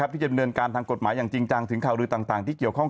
ที่จะเป็นการตามกฎหมายอย่างจริงจัง